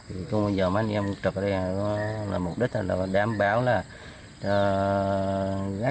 bây giờ mấy anh em trực ở đây là mục đích là đảm bảo là